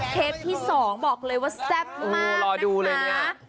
เทปที่สองบอกเลยว่าแซ่บมากนะคะ